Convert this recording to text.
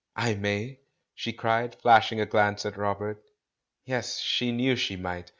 "I may?" she cried, flashing a glance at Rob ert. Yes, she knew she might!